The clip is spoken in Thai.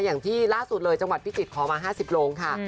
อย่างที่ล่าสุดเลยจังหวัดพิจิตรขอมา๕๐โรงค่ะ